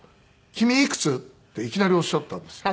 「君いくつ？」っていきなりおっしゃったんですよ。